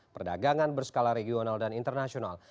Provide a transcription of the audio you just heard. perdagangan berskala regional dan internasional